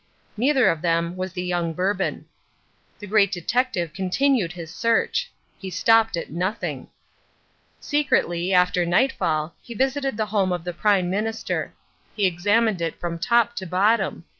Neither of them was the young Bourbon. The Great Detective continued his search. He stopped at nothing. Secretly, after nightfall, he visited the home of the Prime Minister. He examined it from top to bottom.